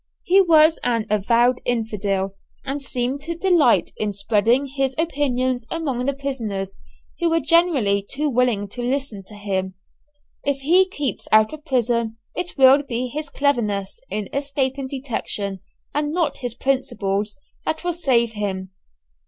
He was an avowed infidel, and seemed to delight in spreading his opinions among the prisoners, who were generally too willing to listen to him. If he keeps out of prison, it will be his cleverness in escaping detection and not his principles that will save him.